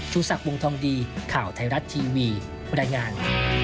สักวงทองดีข่าวไทยรัฐทีวีบรรยายงาน